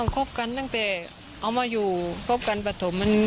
คบกันตั้งแต่เอามาอยู่คบกันปฐม